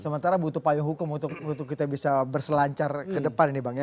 sementara butuh payung hukum untuk kita bisa berselancar ke depan ini bang ya